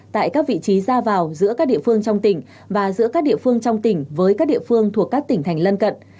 tại các vị trí ra vào giữa các địa phương trong tỉnh và giữa các địa phương trong tỉnh với các địa phương thuộc các tỉnh thành lân cận